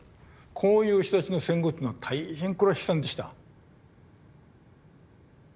こういう人たちの戦後っていうのは大変これは悲惨でした。